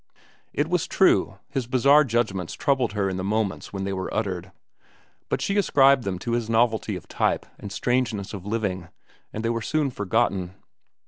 It was true, his bizarre judgments troubled her in the moments they were uttered, but she ascribed them to his novelty of type and strangeness of living, and they were soon forgotten.